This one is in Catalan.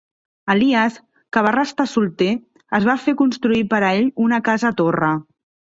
Elies, que va restar solter, es va fer construir per a ell una casa torre.